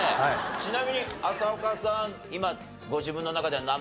ちなみに浅丘さん今。